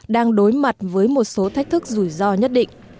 đang đối mặt với một số thách thức rủi ro nhất định